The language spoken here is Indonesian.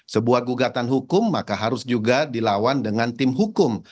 sebuah gugatan hukum maka harus juga dilawan dengan tim hukum